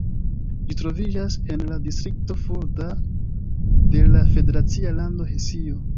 Ĝi troviĝas en la distrikto Fulda de la federacia lando Hesio.